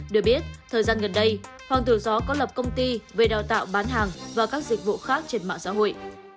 được biết thời gian gần đây hoàng tiểu gió có lập công ty về đào tạo bán hàng và các dịch vụ khác trên mạng xã hội